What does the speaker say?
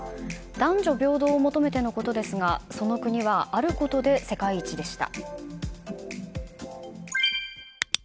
男女平等を求めてのことですがその国はあることで世界一でした。